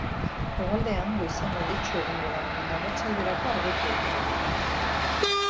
Hegoaldean goizean hodeitsu egongo da, baina arratsalderako argitu egingo du.